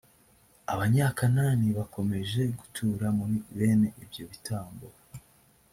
abanyakanani bakomeje gutura muri bene ibyo bitambo